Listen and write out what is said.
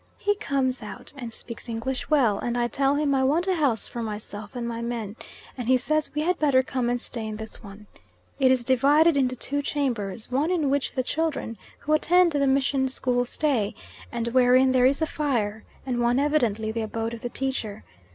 He comes out and speaks English well, and I tell him I want a house for myself and my men, and he says we had better come and stay in this one. It is divided into two chambers, one in which the children who attend the mission school stay, and wherein there is a fire, and one evidently the abode of the teacher.